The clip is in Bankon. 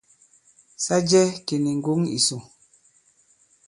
Sa jɛ̄ kì nì ŋgǒŋ ìsò.